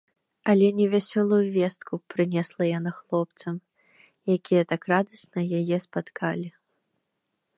Але не вясёлую вестку прынесла яна хлопцам, якія так радасна яе спаткалі.